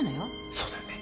そうだね。